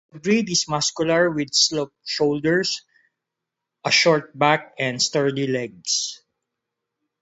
The breed is muscular, with sloped shoulders, a short back and sturdy legs.